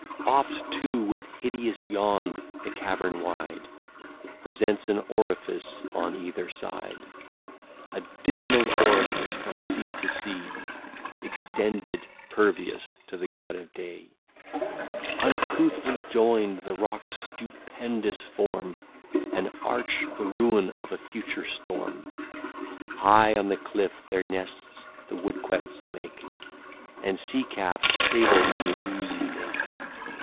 Oft too with hideous yawn the cavern wide Presents an orifice on either side. A dismal orifice, from sea to sea Extended, pervious to the God of Day: Uncouthly join'd, the rocks stupendous form An arch, the ruin of a future storm: High on the cliff their nests the woodquests make, And sea calves stable in the oozy lake.